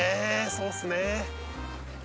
そうっすね